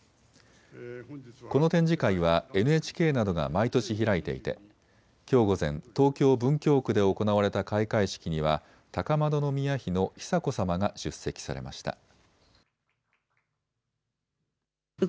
この展示会はＮＨＫなどが毎年開いていてきょう午前、東京文京区で行われた開会式には高円宮妃の久子さまが出席されました。